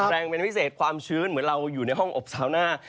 แรงเป็นพิเศษความชื้นเหมือนเราอยู่ในห้องอบซาวหน้า